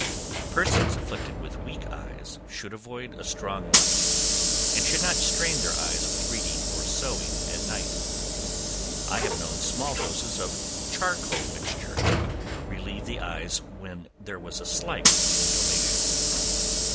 Persons afflicted with weak eyes should avoid a strong light, and should not strain their eyes with reading or sewing at night. I have known small doses of "charcoal mixture," relieve the eyes when there was slight inflammation.